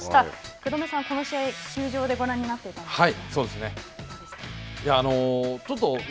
福留さんはこの試合、球場でごらんになっていたんですか。